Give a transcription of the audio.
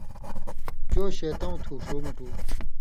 ”چو شېطؤں تُھو ݜُو مٹُو“۔